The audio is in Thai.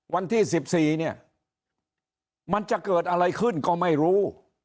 วันที่๑๔เนี่ยมันจะเกิดอะไรขึ้นก็ไม่รู้